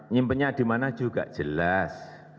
nyimpennya di mana juga jelas